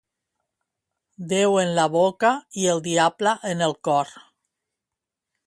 Déu en la boca i el diable en el cor.